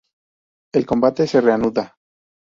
El combate se reanuda.